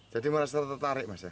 jadi merasa tertarik mas ya